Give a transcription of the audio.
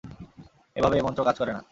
এভাবে এ মন্ত্র কাজ করে না।